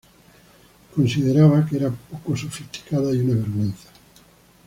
Consideraba que era poco sofisticada y una vergüenza.